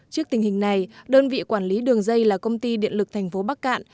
trước tình hình này đơn vị quản lý đường dây là công ty điện lực thành phố bắc cạn